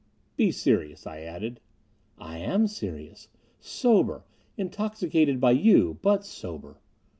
"Be serious," I added. "I am serious. Sober. Intoxicated by you, but sober."